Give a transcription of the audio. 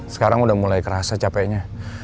sekarang udah mulai kerasa capeknya